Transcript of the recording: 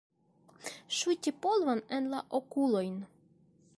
Ŝuti polvon en la okulojn.